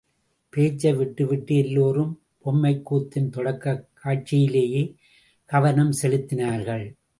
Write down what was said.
பேச்சை விட்டுவிட்டு எல்லாரும் பொம்மைக்கூத்தின் தொடக்கக் காட்சியிலேயே கவனம் செலுத்தினார்கள்.